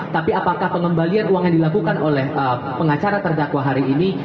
tapi apakah pengembalian uang yang dilakukan oleh pengacara terdakwa hari ini